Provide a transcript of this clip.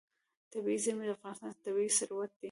طبیعي زیرمې د افغانستان طبعي ثروت دی.